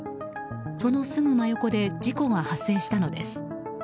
そのすぐ真横で事故が発生したのです。